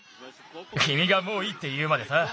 きみがもういいっていうまでさ。